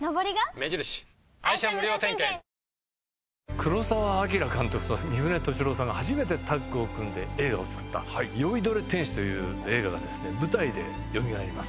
黒澤明監督と三船敏郎さんが初めてタッグを組んで映画を作った『醉いどれ天使』という映画が舞台でよみがえります。